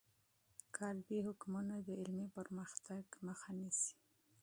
قالبي حکمونه د علمي پرمختګ مخه نیسي.